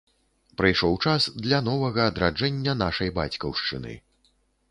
Прыйшоў час для новага адраджэння нашай бацькаўшчыны.